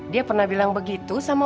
dia pernah bilang begitu sama